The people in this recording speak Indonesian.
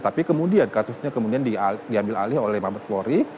tapi kemudian kasusnya kemudian diambil alih oleh mbak mas flory